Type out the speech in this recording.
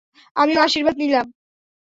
আমিও আশীর্বাদ নিলাম।